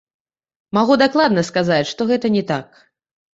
Магу дакладна сказаць, што гэта не так.